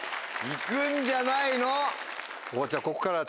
行くんじゃないの？